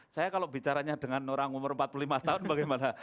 saya kalau bicaranya dengan orang umur empat puluh lima tahun bagaimana